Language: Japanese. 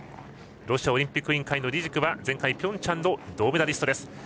ロシアオリンピック委員会のリジクは前回ピョンチャンの銅メダリスト。